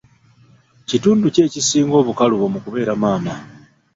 Kitundu ki ekisinga obukalubo mu kubeeramaama?